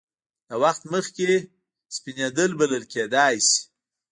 له وخت مخکې سپینېدل بلل کېدای شي.